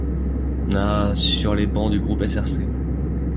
Ah sur les bancs du groupe SRC.